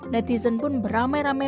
netizen pun beramai ramai